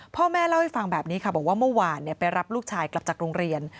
พ่อแม่เล่าให้ฟังแบบนี้ค่ะบอกว่าเมื่อวานไปรับลูกชายกลับจากโรงเรียน